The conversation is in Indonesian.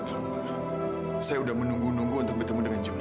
kalau satu satunya kacici semakin lactose